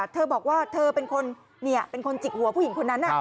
เธอบอกว่าเธอเป็นคนจิกหัวผู้หญิงคนนั้น